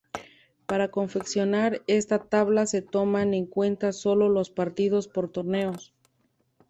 Para confeccionar esta tabla se toman en cuenta sólo los partidos por torneos.